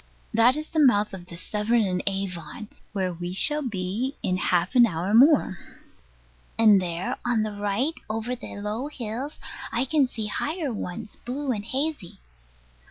That is the mouth of the Severn and Avon; where we shall be in half an hour more. And there, on the right, over the low hills, I can see higher ones, blue and hazy.